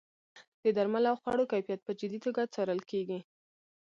د درملو او خوړو کیفیت په جدي توګه څارل کیږي.